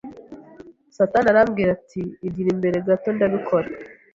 Satani arambwira ati igira imbere gato ndabikora